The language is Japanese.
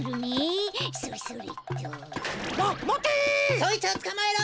そいつをつかまえろ！